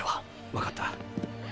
分かった。